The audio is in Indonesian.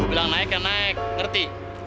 gue bilang naik ya naik ngerti